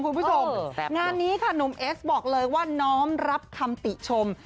คุณผู้ชมงานนี้ค่ะหนุ่มเอสบอกเลยว่าน้อมรับคำติชม